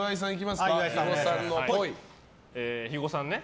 肥後さん